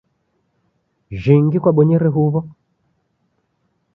Jhingi kwabonyere huw'o?